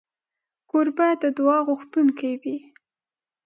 کوربه د دعا غوښتونکی وي.